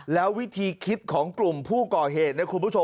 แล้ววิธีคิดของกลุ่มผู้ก่อเหตุ